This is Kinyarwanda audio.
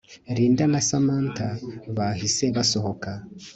Linda na Samantha bahise basohoka